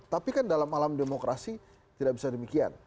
tapi kan dalam alam demokrasi tidak bisa demikian